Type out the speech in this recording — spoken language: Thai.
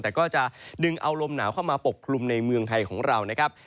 แต่ก็จะดึงเอาลมหนาวเข้ามาปกคลุมในเมืองไทยของเรานะครับ